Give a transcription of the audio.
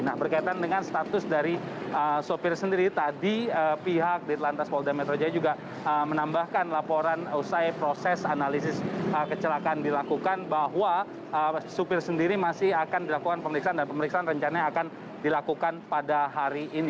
nah berkaitan dengan status dari sopir sendiri tadi pihak di lantas polda metro jaya juga menambahkan laporan usai proses analisis kecelakaan dilakukan bahwa supir sendiri masih akan dilakukan pemeriksaan dan pemeriksaan rencana akan dilakukan pada hari ini